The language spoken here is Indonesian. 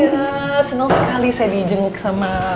aduh mas sarah pak surya senang sekali saya di jenguk sama